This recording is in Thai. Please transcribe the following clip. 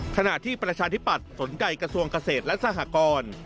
ขณะที่ประชาธิปัตย์สนใจกระทรวงเกษตรและสหกร